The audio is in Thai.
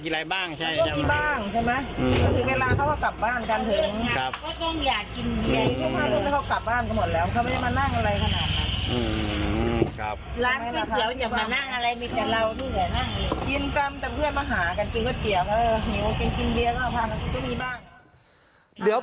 เพราะมันอยากกินเวียน